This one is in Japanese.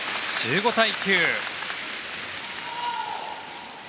１５対９。